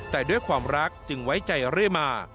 แต่ด้วยความรักจึงไว้ใจเรื่อยมา